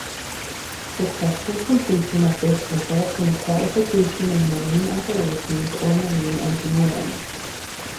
Successful completion of this results in a qualification in marine operations or marine engineering.